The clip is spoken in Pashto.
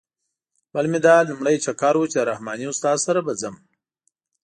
بل مې دا لومړی چکر و چې د رحماني استاد سره به ځم.